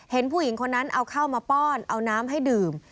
เห็นผู้หญิงคนนั้นเอาข้าวมาป้อนเอาน้ำให้ดื่ม